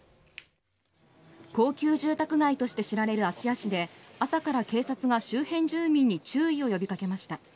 高級住宅街として知られる芦屋市で朝から警察が周辺住民に注意を呼び掛けました。